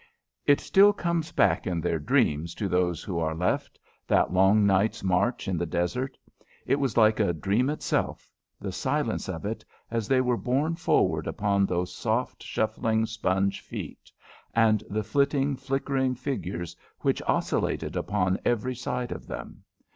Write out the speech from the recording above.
It still comes back in their dreams to those who are left, that long night's march in the desert. It was like a dream itself, the silence of it as they were borne forward upon those soft, shuffling sponge feet, and the flitting, flickering figures which oscillated upon every side of them.